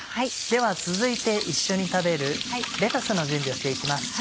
では続いて一緒に食べるレタスの準備をして行きます。